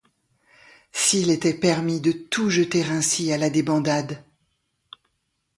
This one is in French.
S'il était permis de tout jeter ainsi à la débandade!